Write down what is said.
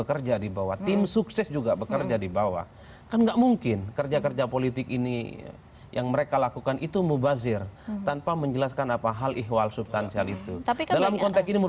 sebuah itu begitu baik baik